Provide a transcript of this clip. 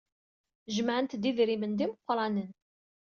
Jemɛent-d idrimen d imeqranen.